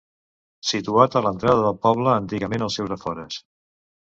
Situat a l'entrada del poble, antigament als seus afores.